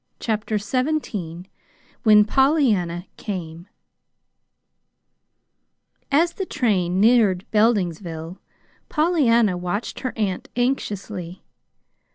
CHAPTER XVII WHEN POLLYANNA CAME As the train neared Beldingsville, Pollyanna watched her aunt anxiously.